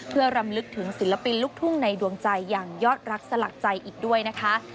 เพื่อรำลึกถึงศิลปินลูกทุ่งในดวงใจอย่างยอดรักสลักใจอีกด้วยนะคะ